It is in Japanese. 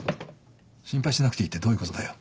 心配しなくていいってどういうことだよ？